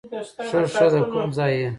ښه ښه، د کوم ځای یې؟